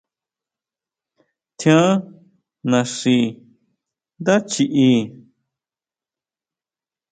¿Tjián naxi ndá chiʼí?